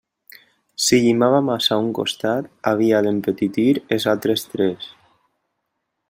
Si llimava massa un costat, havia d'empetitir els altres tres.